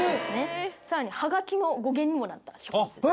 更に葉書の語源にもなった植物です。